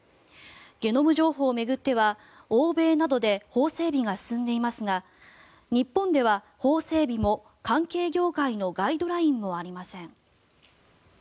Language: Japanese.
ゲノム情報を巡っては欧米などで法整備が進んでいますが日本では法整備も関係業界のガイドラインもありません。